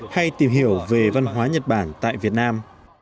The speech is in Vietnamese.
hay tìm hiểu về văn hóa nhật bản tại việt nam